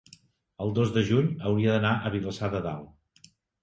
el dos de juny hauria d'anar a Vilassar de Dalt.